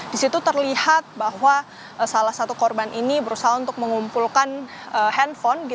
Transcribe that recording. di situ terlihat bahwa salah satu korban ini berusaha untuk mengumpulkan handphone